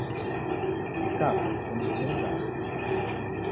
Nikafwa msenirike mzaw'o.